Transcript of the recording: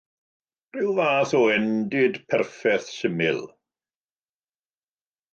Rhyw fath o endid perffaith syml.